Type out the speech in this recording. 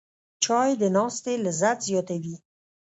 چای د ناستې لذت زیاتوي